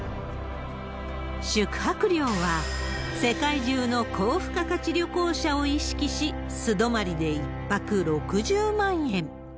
宿泊料は、世界中の高付加価値旅行者を意識し、素泊まりで１泊６０万円。